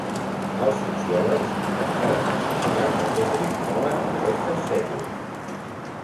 Els sociòlegs intentaren explicar per què triomfaven aquestes sèries.